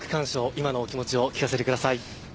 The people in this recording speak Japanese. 今のお気持ちを聞かせてください。